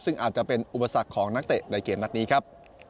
ซึ่งอาจจะเป็นอุปสรรคของนักเตะในเกมนัดนี้ครับ